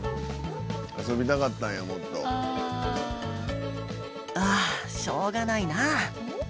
「遊びたかったんやもっと」ああしょうがないなあ。